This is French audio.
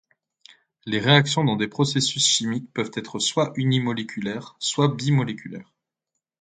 Les réactions dans des processus chimiques peuvent être soit unimoléculaires soit bimoléculaires.